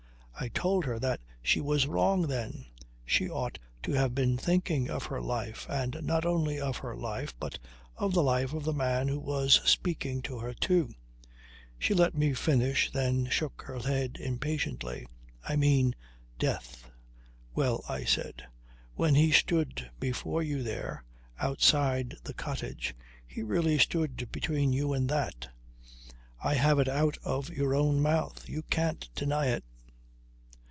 I told her that she was wrong then. She ought to have been thinking of her life, and not only of her life but of the life of the man who was speaking to her too. She let me finish, then shook her head impatiently. "I mean death." "Well," I said, "when he stood before you there, outside the cottage, he really stood between you and that. I have it out of your own mouth. You can't deny it."